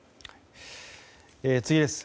次です。